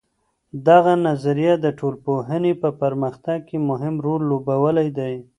دغه نظريه د ټولنپوهنې په پرمختګ کي مهم رول لوبولی دی.